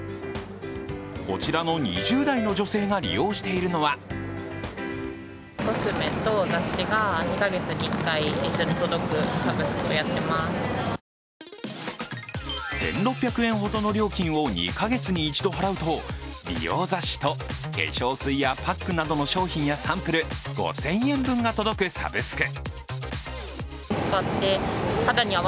こちらの２０代の女性が利用しているのは１６００円ほどの料金を２か月に一度払うと、美容雑誌と化粧水やパックなどの商品やサンプル５０００円分が届くサブスク。